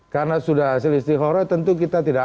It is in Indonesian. karena sudah sel istihoro tentu kita tidak